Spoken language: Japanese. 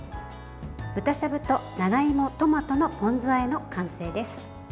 豚しゃぶと長芋トマトのポン酢あえの完成です。